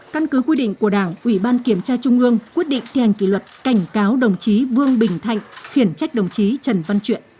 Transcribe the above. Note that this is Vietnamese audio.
căn cứ quy định của đảng ủy ban kiểm tra trung ương quyết định thi hành kỷ luật cảnh cáo đồng chí vương bình thạnh khiển trách đồng chí trần văn chuyện